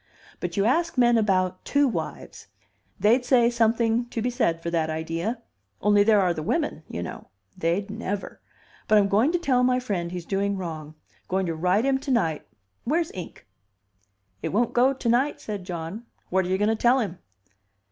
But you ask men about two wives. They'd say something to be said for that idea. Only there are the women, you know. They'd never. But I'm going to tell my friend he's doing wrong. Going to write him to night. Where's ink?" "It won't go to night," said John. "What are you going to tell him?"